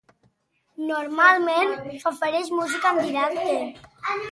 Normalment s'ofereix música en directe.